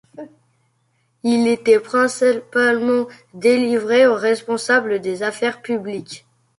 Il était principalement délivré aux responsables des affaires publiques.